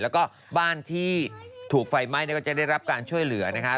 แล้วก็บ้านที่ถูกไฟไหม้ก็จะได้รับการช่วยเหลือนะคะ